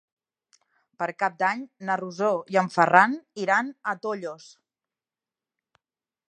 Per Cap d'Any na Rosó i en Ferran iran a Tollos.